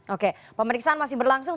oke pemeriksaan masih berlangsung